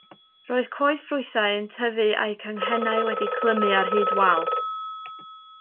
Roedd coed ffrwythau yn tyfu a'u canghennau wedi'u clymu ar hyd wal.